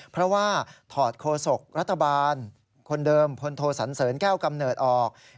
เพราะว่าถอดโคศกรัฐบาลคนเดิมพลโทสันเสริญแก้วกำเนิดออก